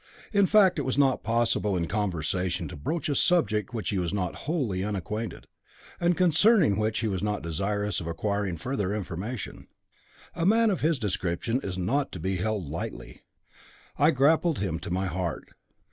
In fact, it was not possible in conversation to broach a subject with which he was wholly unacquainted, and concerning which he was not desirous of acquiring further information. A man of this description is not to be held by lightly. I grappled him to my heart.